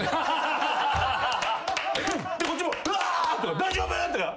こっちも「うわ！」とか「大丈夫！？」とか。